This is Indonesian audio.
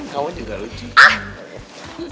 kamu juga lucu